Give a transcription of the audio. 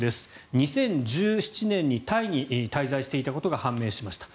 ２０１７年にタイに滞在していたことが判明しました。